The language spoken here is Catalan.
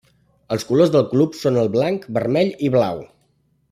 Els colors del club són el blanc, vermell i blau.